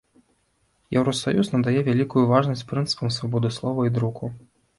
Еўрасаюз надае вялікую важнасць прынцыпам свабоды слова і друку.